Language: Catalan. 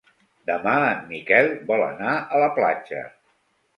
Demà en Miquel vol anar a la platja.